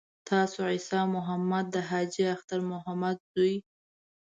تاسو عیسی محمد د حاجي اختر محمد زوی.